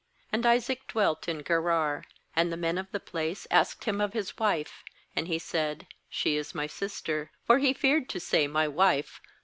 6And Isaac dwelt in Gerar. 7And the men of the place asked him of Ms wife; and he said: 'She is my sister'; for he feared to say: 'My wife'; 'lest *.